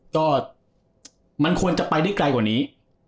ก็มันควรจะไปได้ไกลกว่านี้